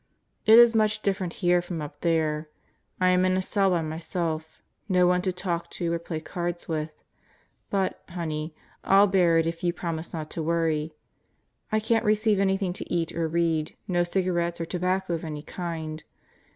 It is much different here from up there. I am in a cell by myself no one to talk to or play cards with. But, Honey, I'll bear it if you promise not to worry. I can't receive anything to eat or read, no cigarettes or tobacco of any kind.